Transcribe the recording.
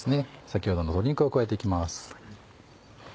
先ほどの肉を加えて行きます。